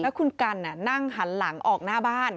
แล้วคุณกันนั่งหันหลังออกหน้าบ้าน